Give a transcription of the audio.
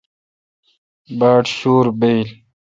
باڑ شور بایل۔